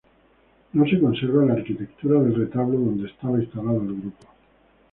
No se conserva la arquitectura del retablo donde estaba instalado el grupo.